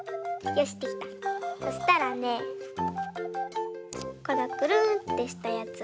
そしたらねこのくるんってしたやつをぺとっ。